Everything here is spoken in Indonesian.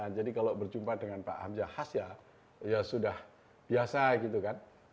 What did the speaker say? jadi kalau berjumpa dengan pak hamzah has ya ya sudah biasa gitu kan